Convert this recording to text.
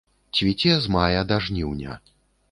Цвіце з мая да жніўня.